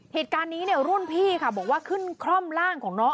เหตุการณ์นี้เนี่ยรุ่นพี่ค่ะบอกว่าขึ้นคร่อมร่างของน้อง